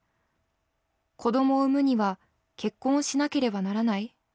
子供を産むには結婚をしなければならない？